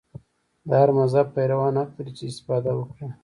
د هر مذهب پیروان حق لري چې استفاده وکړي.